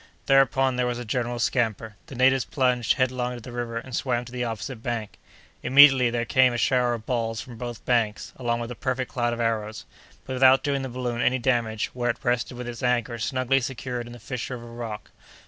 Thereupon there was a general scamper. The natives plunged headlong into the river, and swam to the opposite bank. Immediately, there came a shower of balls from both banks, along with a perfect cloud of arrows, but without doing the balloon any damage, where it rested with its anchor snugly secured in the fissure of a rock.